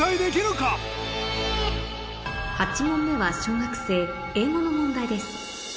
８問目は小学生英語の問題です